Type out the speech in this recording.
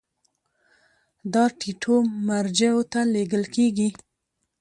دا ټیټو مرجعو ته لیږل کیږي.